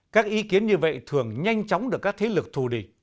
các ý kiến như vậy thường nhanh chóng được các thế lực thù địch